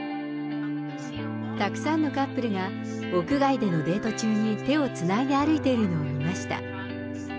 たくさんのカップルが、屋外でのデート中に手をつないで歩いているのを見ました。